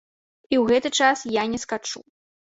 І ў гэты час я не скачу.